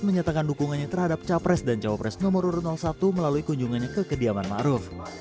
menyatakan dukungannya terhadap cawa pres dan cawa pres nomor urut satu melalui kunjungannya ke kediaman ma'ruf